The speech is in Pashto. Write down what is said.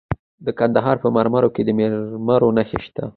د کندهار په میوند کې د مرمرو نښې شته.